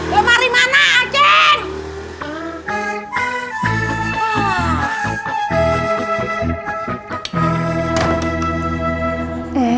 lemari mana aceh